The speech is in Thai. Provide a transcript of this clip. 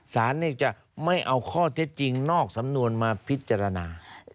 สารจะไม่เอาข้อเท็จจริงนอกสำนวนมาพิจารณา